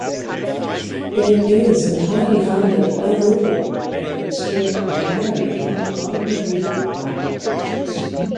It is entirely funded by Google and installed primarily on Mountain View lightposts.